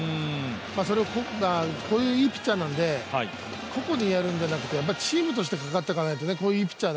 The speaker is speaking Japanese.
それをこういういいピッチャーなので個々にやるんじゃなくて、チームとしてかかっていかないと、こういういいピッチャー